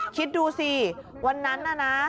คิดดูสิวันนั้นน่ะนะ